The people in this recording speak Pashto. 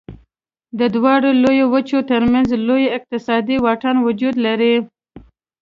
د دواړو لویو وچو تر منځ لوی اقتصادي واټن وجود لري.